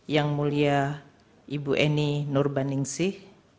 yang mulia ibu eni nur baningsih